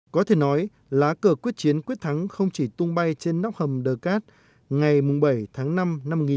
có thể nói lá cờ quyết chiến quyết thắng không chỉ tung bay trên nóc hầm đờ cát ngày bảy tháng năm năm một nghìn chín trăm bốn mươi năm